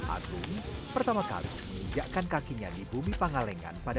agung pertama kali menginjakkan kakinya di bumi pangalengan pada dua ribu empat belas